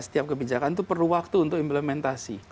setiap kebijakan itu perlu waktu untuk implementasi